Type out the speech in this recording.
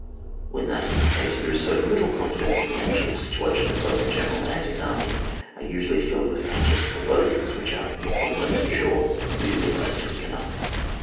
When that is the case, there is so little confidence in the actual situation that both the general and his army are usually filled with anxious forebodings, which are almost sure to be realised quick enough.